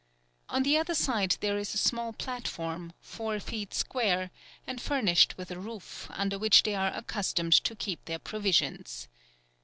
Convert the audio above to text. On the other side there is a small platform, four feet square, and furnished with a roof, under which they are accustomed to keep their provisions.